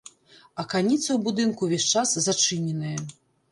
Аканіцы ў будынку ўвесь час зачыненыя.